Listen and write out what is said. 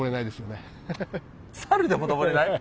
猿でも登れない？